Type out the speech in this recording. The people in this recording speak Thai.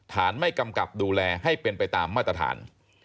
ไม่กำกับดูแลให้เป็นไปตามมาตรฐาน